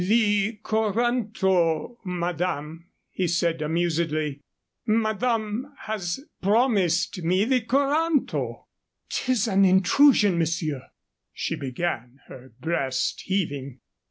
"The coranto, madame," he said, amusedly; "madame has promised me the coranto." "'Tis an intrusion, monsieur," she began, her breast heaving.